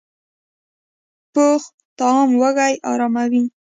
پوخ طعام وږې اراموي